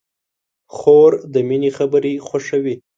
خور د مینې خبرې خوښوي.